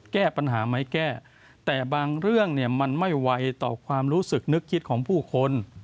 แก้ปัญหาไม่แก้แต่บางเรื่องเนี่ยมันไม่ไวต่อความรู้สึกนึกคิดของผู้คน